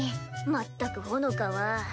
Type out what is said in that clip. まったくほのかは。